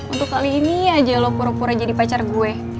untuk kali ini aja lo pura pura jadi pacar gue